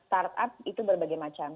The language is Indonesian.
startup itu berbagai macam